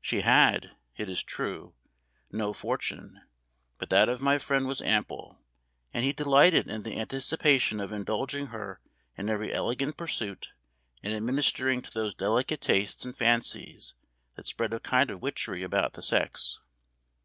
She had, it is true, no fortune, but that of my friend was ample; and he delighted in the anticipation of indulging her in every elegant pursuit, and administering to those delicate tastes and fancies that spread a kind of witchery about the sex.